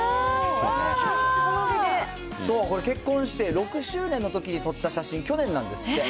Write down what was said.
これ、結婚して６周年のときに撮った写真、去年なんですって。